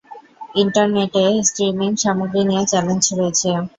ইন্টারনেটে স্ট্রিমিং সামগ্রী নিয়ে চ্যালেঞ্জ রয়েছে।